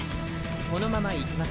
このまま行きます。